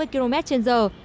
tám mươi km trên giờ